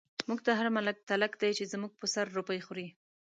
موږ ته هر ملک تلک دی، چی زموږ په سر روپۍ خوری